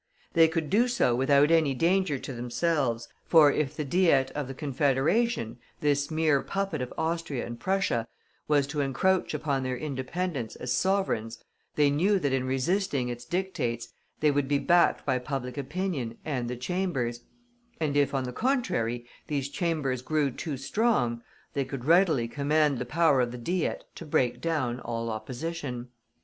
They could do so without any danger to themselves; for if the Diet of the Confederation, this mere puppet of Austria and Prussia, was to encroach upon their independence as sovereigns, they knew that in resisting its dictates they would be backed by public opinion and the Chambers; and if, on the contrary, these Chambers grew too strong, they could readily command the power of the Diet to break down all opposition.